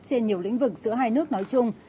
trên nhiều lĩnh vực giữa hai nước nói chung